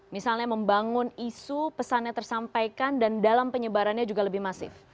misalnya membangun isu pesannya tersampaikan dan dalam penyebarannya juga lebih masif